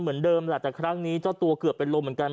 เหมือนเดิมแหละแต่ครั้งนี้เจ้าตัวเกือบเป็นลมเหมือนกัน